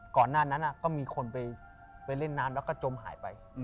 ก่อนหน้านั้นก็มีคนไปเล่นน้ำแล้วก็จมหายไป